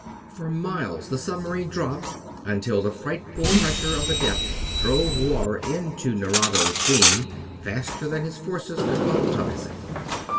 For miles the submarine dropped, until the frightful pressure of the depth drove water into Nerado's beam faster than his forces could volatilize it.